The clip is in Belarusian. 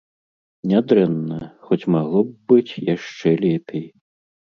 Нядрэнна, хоць магло б быць яшчэ лепей.